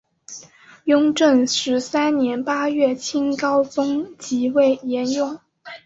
雍正十三年八月清高宗即位沿用。